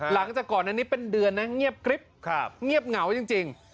หลังจากก่อนอันนี้เป็นเดือนนะเงียบกริ๊บเงียบเหงาจริง